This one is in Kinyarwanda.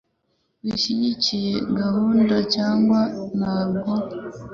Ushyigikiye gahunda cyangwa ntabwo?